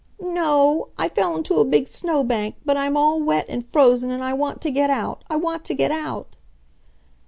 "No. I fell into a big snow bank, but I'm all wet and frozen and I want to get out! I want to get out!"